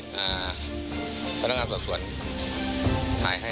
เค้าใช้สำนวนที่พนักงานสอบสวนขายให้